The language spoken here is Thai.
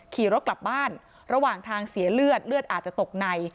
ขี่รถกลับบ้านระหว่างทางเสียเลือดเลือดอาจจะตกใน